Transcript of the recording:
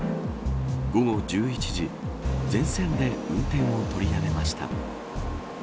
午後１１時全線で運転を取りやめました。